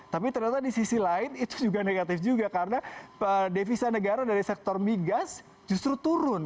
tapi ternyata di sisi lain itu juga negatif juga karena devisa negara dari sektor migas justru turun